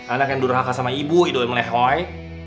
anak yang dirahka sama ibu idoy melehoy